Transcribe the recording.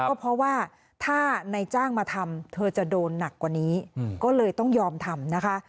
ก็เพราะว่าถ้านายจ้างมาทำเธอจะโดนหนักกว่านี้ก็เลยต้องยอมทำนะคะ